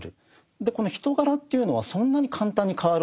この人柄というのはそんなに簡単に変わるわけではない。